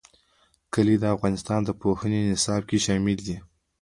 کلي د افغانستان د پوهنې نصاب کې شامل دي.